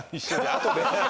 あとで。